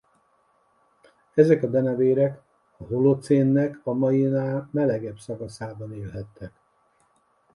Ezek a denevérek a holocénnek a mainál melegebb szakaszában élhettek.